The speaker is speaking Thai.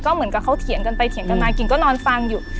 เหมือนกับเขาเถียงกันไปเถียงกันมากิ่งก็นอนฟังอยู่